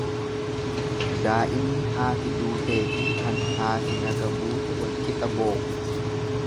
Daa'imni haati duuteefi kan haati laga buute wal qixa boo'u.